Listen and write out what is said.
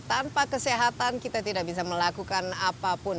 tanpa kesehatan kita tidak bisa melakukan apapun